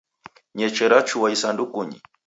Ny'eche rachua isandukunyi.